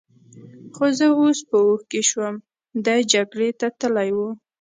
خو زه اوس په هوښ کې شوم، دی جګړې ته تلی و.